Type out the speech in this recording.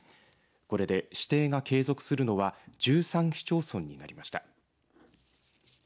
これで指定が継続するのは１３市町村になりました。